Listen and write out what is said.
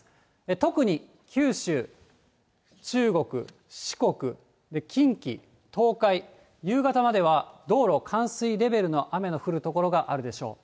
特に九州、中国、四国、近畿、東海、夕方までは道路冠水レベルの雨の降る所があるでしょう。